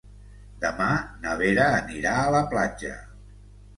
Demà na Vera anirà a la platja.